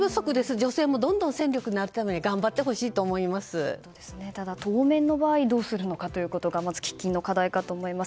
女性も戦力になれるようにただ、当面の場合どうするのかというのがまず喫緊の課題かと思います。